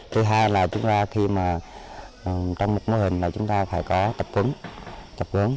thứ hai là chúng ta khi mà trong một mô hình là chúng ta phải có tập vấn